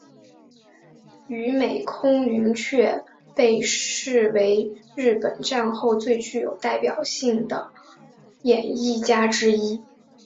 与美空云雀被视为日本战后最具代表性的演艺家之一。